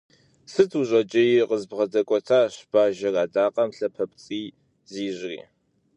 Сыт ущӏэкӏийр?- къыбгъэдэкӏуэтащ бажэр адакъэм, лъапэпцӏий зищӏри.